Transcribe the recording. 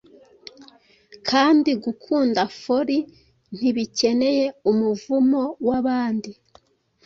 Kandi gukunda Foli ntibikeneye umuvumo wabandi